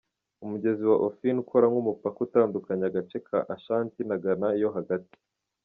Umugezi wa Ofin ukora nk’umupaka utandukanye agace ka Ashanti na Ghana yo hagati.